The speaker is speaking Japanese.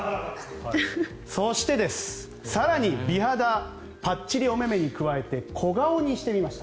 そしてです、更に美肌、ぱっちりおめめに加えて小顔にしてみました。